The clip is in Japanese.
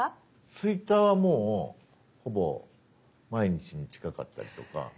Ｔｗｉｔｔｅｒはもうほぼ毎日に近かったりとか。